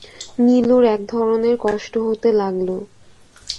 নীলুর এক ধরনের কষ্ট হতে লাগল।